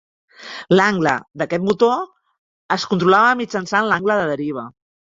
L'angle d'aquest motor es controlava mitjançant l"angle de deriva".